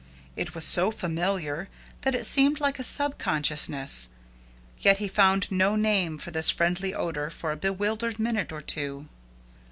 It was so familiar that it seemed like a sub consciousness, yet he found no name for this friendly odor for a bewildered minute or two.